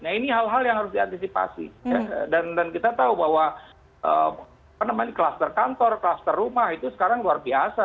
nah ini hal hal yang harus diantisipasi dan kita tahu bahwa kluster kantor kluster rumah itu sekarang luar biasa